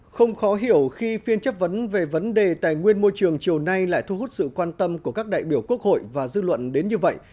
không khó hiểu khi phiên chất vấn về vấn đề tài nguyên môi trường chiều nay lại thu hút sự quan tâm của các đại biểu quốc hội và dư luận đến như vậy